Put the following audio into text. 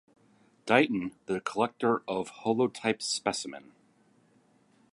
Dighton, the collector of the holotype specimen.